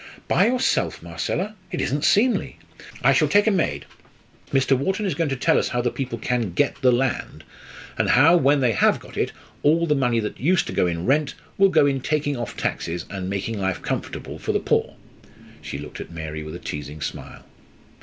"By yourself, Marcella? It isn't seemly!" "I shall take a maid. Mr. Wharton is going to tell us how the people can get the land, and how, when they have got it, all the money that used to go in rent will go in taking off taxes and making life comfortable for the poor." She looked at Mary with a teasing smile.